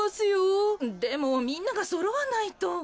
でもみんながそろわないと。